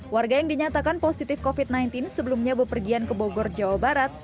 warga yang dinyatakan positif covid sembilan belas sebelumnya bepergian ke bogor jawa barat